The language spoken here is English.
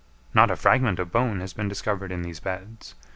Not a fragment of bone has been discovered in these beds.